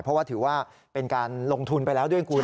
เพราะว่าถือว่าเป็นการลงทุนไปแล้วด้วยคุณ